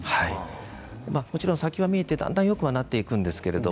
もちろん先は見えていてだんだんよくはなっていくんですけれど